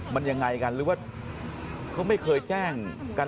มันยังไงกันหรือว่าเขาไม่เคยแจ้งกัน